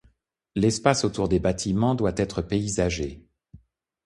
L'espace autour des bâtiments doit être paysagé.